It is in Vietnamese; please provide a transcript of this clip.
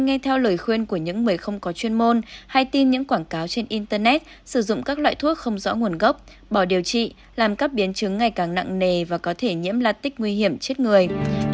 nghe theo lời khuyên của những người không có chuyên môn hay tin những quảng cáo trên internet sử dụng các loại thuốc không rõ nguồn gốc bỏ điều trị làm các biến chứng ngày càng nặng nề và có thể nhiễm latic nguy hiểm chết người